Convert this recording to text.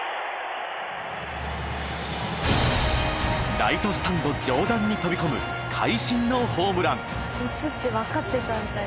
ライトスタンド上段に飛び込む会心のホームラン。